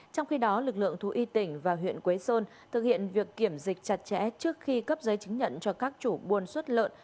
trong khi đó lực lượng thú y tỉnh và huyện quế sơn thực hiện việc kiểm dịch chặt chẽ trước khi cấp giấy chứng nhận cho các chủ buôn xuất lợn